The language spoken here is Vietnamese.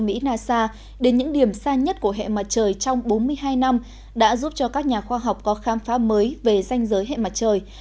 mỹ nasa đến những điểm xa nhất của hệ mặt trời trong bốn mươi hai năm đã giúp cho các nhà khoa học có khám phá mới về danh giới hệ mặt trời